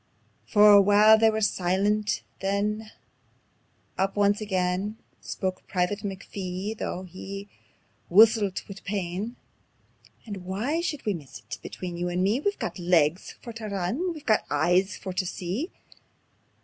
For a while they were silent; then up once again Spoke Private McPhee, though he whussilt wi' pain: "And why should we miss it? Between you and me We've legs for tae run, and we've eyes for tae see.